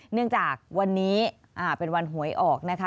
เนื่องจากวันนี้เป็นวันหวยออกนะคะ